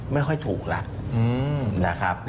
ไม่ค่อยถูกแล้ว